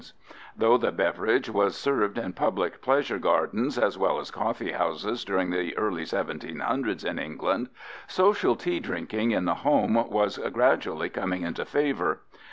Though the beverage was served in public pleasure gardens as well as coffee houses during the early 1700's in England, social tea drinking in the home was gradually coming into favor.